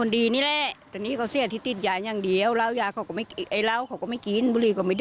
นี่แหละครับ